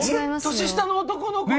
年下の男の子？